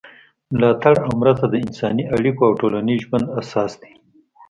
ملاتړ او مرسته د انساني اړیکو او ټولنیز ژوند اساس دی.